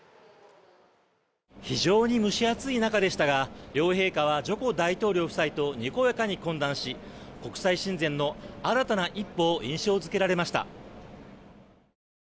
非常に蒸し暑い中でしたが両陛下はジョコ大統領とにこやかに懇談し国際親善の新たな一歩を印象付けられました。